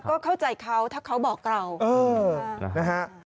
ก็เข้าใจเขาถ้าเขาบอกเรานะฮะ